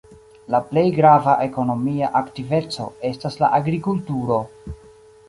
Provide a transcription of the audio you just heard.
La plej grava ekonomia aktiveco estas la agrikulturo.